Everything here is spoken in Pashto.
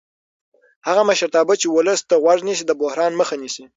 هغه مشرتابه چې ولس ته غوږ نیسي د بحران مخه نیسي